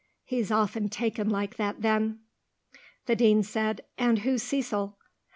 He's often taken like that then." The Dean said, "And who's Cecil?"